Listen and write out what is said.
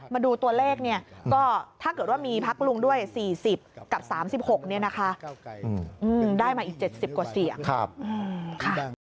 มาดูตัวเลขถ้าเกิดว่ามีพักลุงด้วย๔๐กับ๓๖ได้มาอีก๗๐กว่าเสียง